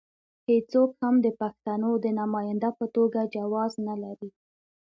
هېڅوک هم د پښتنو د نماینده په توګه جواز نه لري.